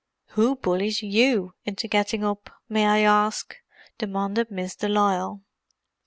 "Who bullies you into getting up, may I ask?" demanded Miss de Lisle.